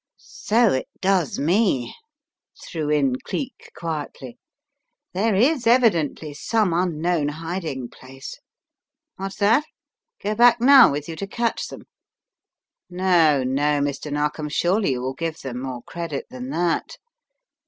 "So it does me," threw in Cleek, quietly. "There is evidently some unknown hiding place. What's that? Go back now with you to catch them? No, no, Mr. Narkom, surely you will give them more credit than that.